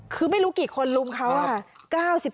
คือไม่รู้กี่คนลุมเขาอะค่ะ